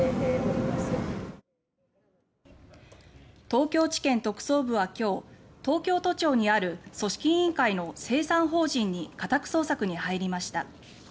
東京地検特捜部は、きょう東京都庁にある組織委員会の清算法人に家宅捜索に入りました。